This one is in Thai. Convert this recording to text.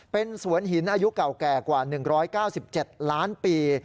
เป็นสวนหินอายุเก่าแก่กว่า๑๙๗ล้านปี